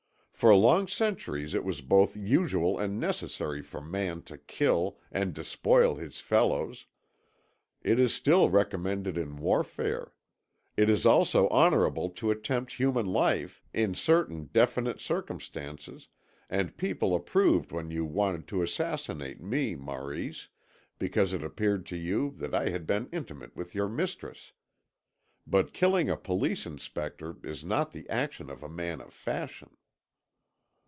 "For long centuries it was both usual and necessary for man to kill and despoil his fellows. It is still recommended in warfare. It is also honourable to attempt human life in certain definite circumstances, and people approved when you wanted to assassinate me, Maurice, because it appeared to you that I had been intimate with your mistress. But killing a police inspector is not the action of a man of fashion."